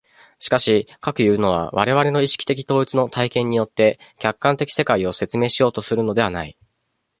しかし、かくいうのは我々の意識的統一の体験によって客観的世界を説明しようとするのではない。